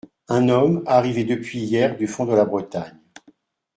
Un homme arrivé depuis hier du fond de la Bretagne …